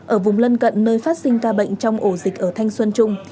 ở vùng lân cận nơi phát sinh ca bệnh trong ổ dịch ở thanh xuân trung